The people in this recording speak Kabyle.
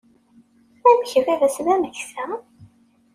Amek baba-s d ameksa?